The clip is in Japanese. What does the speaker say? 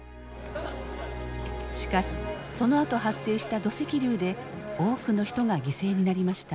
しかしそのあと発生した土石流で多くの人が犠牲になりました。